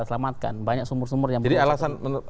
selamatkan banyak sumur sumur yang berhasil